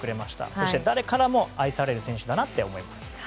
そして、誰からも愛される選手だなと思います。